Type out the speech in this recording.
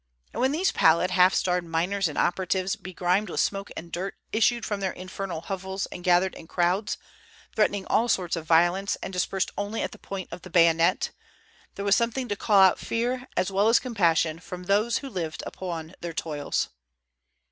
And when these pallid, half starved miners and operatives, begrimed with smoke and dirt, issued from their infernal hovels and gathered in crowds, threatening all sorts of violence, and dispersed only at the point of the bayonet, there was something to call out fear as well as compassion from those who lived upon their toils.